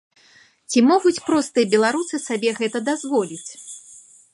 Ці могуць простыя беларусы сабе гэта дазволіць?